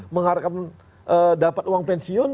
mengharapkan dapat uang pensiun